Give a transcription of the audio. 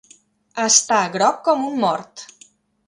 Està groc com un mort.